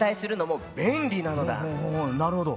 なるほど。